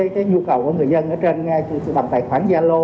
cái nhu cầu của người dân ở trên bằng tài khoản gia lô